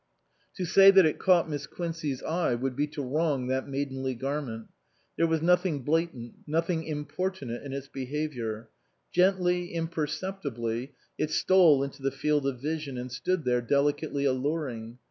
To say that it caught Miss Quincey's eye would be to wrong that maidenly garment. There was nothing blatant, nothing importunate in its behaviour. Gently, imperceptibly, it stole into the field of vision and stood there, delicately alluring.